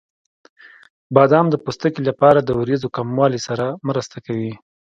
بادام د پوستکي لپاره د وریځو کموالي سره مرسته کوي.